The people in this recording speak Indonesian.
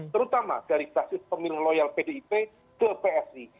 terutama dari basis pemilih loyal pdip ke psi